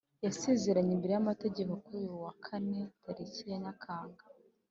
yasezeranye imbere y’amategeko kuri uyu wa kane tariki ya nyakanga